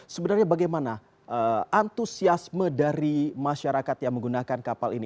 sebenarnya bagaimana antusiasme dari masyarakat yang menggunakan kapal ini